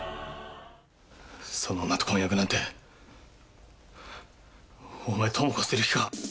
その女と婚約なんて、お前、ともこを捨てる気か？